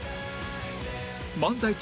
漫才中